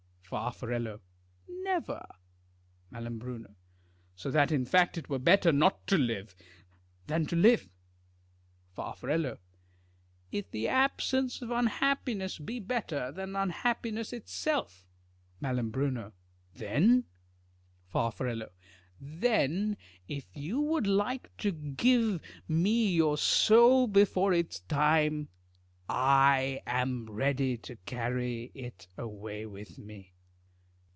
Fa7\ Never. Mai. So that in fact it were better not to live than to live. Far. If the absence of unhappiness be better than unhappiness itself. Mai. Then? Far. Then if you would like to give me your soul before its time, I am ready to carry it away with me.